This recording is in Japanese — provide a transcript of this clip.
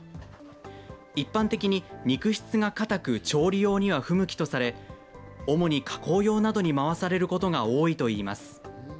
一般的に肉質が硬く調理用には不向きとされ、主に加工用などに回されることが多いといいます。